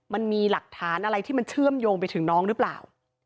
มันมีหลักฐานอะไรที่มันเชื่อมโยงไปถึงน้องหรือเปล่า